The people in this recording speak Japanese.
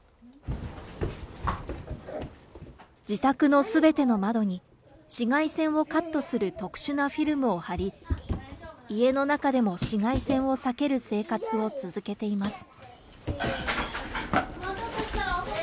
自宅のすべての窓に、紫外線をカットする特殊なフィルムを貼り、家の中でも紫外線を避ける生活を続けています。